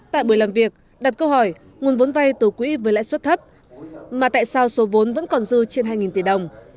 tại buổi làm việc đặt câu hỏi nguồn vốn vay từ quỹ với lãi suất thấp mà tại sao số vốn vẫn còn dư trên hai tỷ đồng